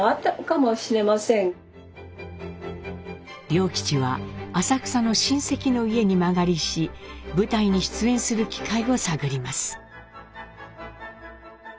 良吉は浅草の親戚の家に間借りし舞台に出演する機会を探ります。